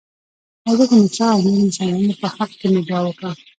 د حضرت موسی او نورو مسلمانانو په حق کې مې دعا وکړه.